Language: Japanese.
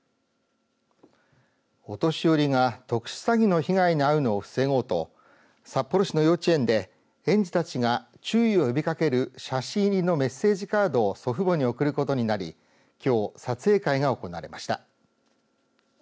お年寄りが特殊詐欺の被害に遭うのを防ごうと札幌市の幼稚園で園児たちが注意を呼びかける写真入りのメッセージカードを祖父母に送ることになりきょう撮影会が行われました。